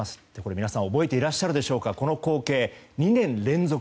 皆さん覚えていらっしゃるでしょうかこの光景は２年連続。